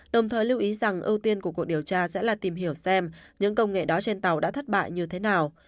đồng thời lưu ý rằng ưu tiên của cuộc điều tra sẽ là tìm hiểu xem những công nghệ đó trên tàu đã thất bại như thế nào